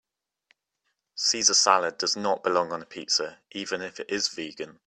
Caesar salad does not belong on a pizza even if it is vegan.